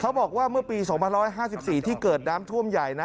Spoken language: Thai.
บอกว่าเมื่อปี๒๕๔ที่เกิดน้ำท่วมใหญ่นะ